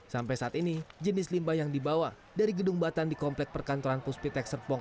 sampai saat ini jenis limbah yang dibawa dari gedung batan di komplek perkantoran puspitek serpong